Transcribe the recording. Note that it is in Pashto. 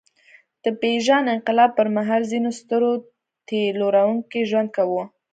د پېژاند انقلاب پر مهال ځینو سترو تيلرونکي ژوند کاوه.